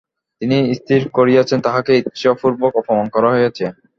তিনি স্থির করিয়াছেন তাঁহাকে ইচ্ছাপূর্বক অপমান করা হইয়াছে।